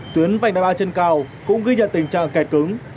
tuyến vành đai ba trên cao cũng ghi nhận tình trạng kẹt cứng